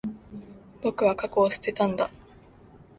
僕は、過去を捨てたんだ。